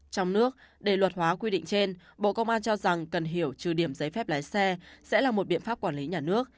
trong nước để luật hóa quy định trên bộ công an cho rằng cần hiểu trừ điểm giấy phép lái xe sẽ là một biện pháp quản lý nhà nước